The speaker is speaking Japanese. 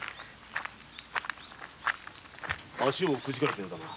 足をくじいたようだな。